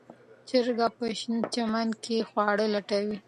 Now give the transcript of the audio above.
چرګه په شنه چمن کې خواړه لټوي.